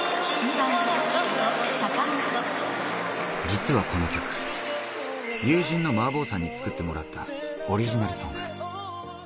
実はこの曲、友人のｍａａｂｏｏさんに作ってもらったオリジナルソング。